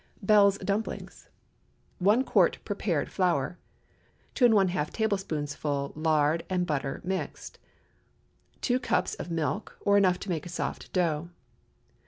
BELLE'S DUMPLINGS. 1 quart prepared flour. 2½ tablespoonfuls lard and butter mixed. 2 cups of milk, or enough to make a soft dough.